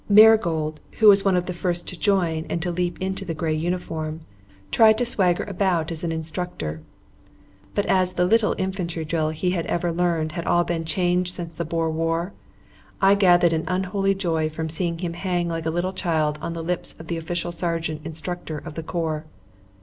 Marigold, who was one of the first to join and to leap into the grey uniform, tried to swagger about as an instructor. But as the little infantry drill he had ever learned had all been changed since the Boer War, I gathered an unholy joy from seeing him hang like a little child on the lips of the official Sergeant Instructor of the corps.